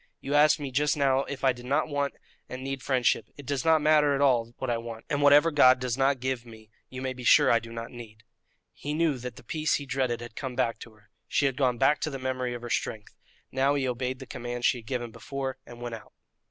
You asked me just now if I did not want and need friendship; it does not matter at all what I want, and whatever God does not give me you may be sure I do not need." He knew that the peace he dreaded had come back to her. She had gone back to the memory of her strength. Now he obeyed the command she had given before, and went out.